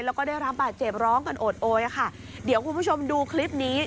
แล้วก็ได้รับบาดเจ็บร้องกันโอดโอยอะค่ะเดี๋ยวคุณผู้ชมดูคลิปนี้